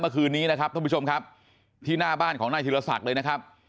เมื่อคืนนี้นะครับท่านผู้ชมครับที่หน้าบ้านของนายธิรศักดิ์เลยนะครับ